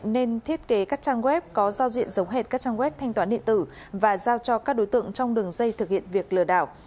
nên thiết kế các trang web có giao diện giống hệt các trang web thanh toán điện tử và giao cho các đối tượng trong đường dây thực hiện việc lừa đảo